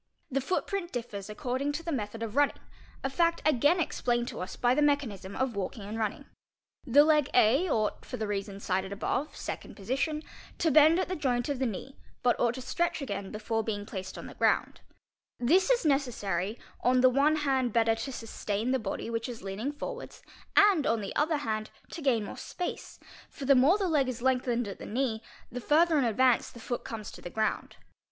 'The footprint differs according to the method of running, a fact again "explained to us by the mechanism of walking and running. The leg A ought, for the reasons cited above (second position), to bend at the joint of the knee but ought to stretch again before being placed on the ground: 'This i is necessary, on the one hand better to sustain the body which is lean 'ing forwards and, on the other hand, to gain more space, for the more the leg i is lengthened at the knee the further in advance the foot comes to the ground.